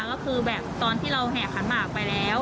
ก็คือแบบตอนที่เราแห่ขันหมากไปแล้ว